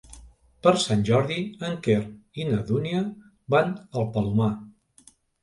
Per Sant Jordi en Quer i na Dúnia van al Palomar.